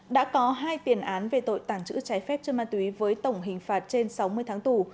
đã có hai tiền án về tội tàng trữ trái phép trên ma túy với tổng hình phạt trên sáu mươi tháng tù